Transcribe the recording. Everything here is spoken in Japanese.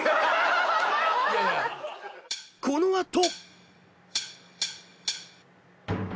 ［この後］